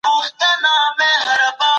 په ټولنه کي باید د ماشومانو درناوی وسي.